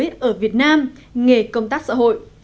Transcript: hiểu biết về nghề công tác xã hội